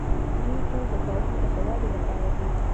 دوی ټول د کارونو د ښه والي لپاره دي.